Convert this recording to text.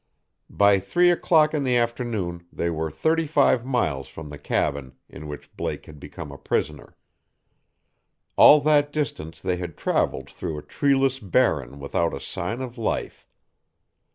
By three o'clock in the afternoon they were thirty five miles from the cabin in which Blake had become a prisoner. All that distance they had traveled through a treeless barren without a sign of life.